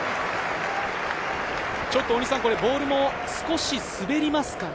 ちょっとボールも少し滑りますかね？